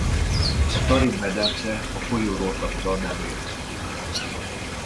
A Tarim-medence a folyóról kapta nevét.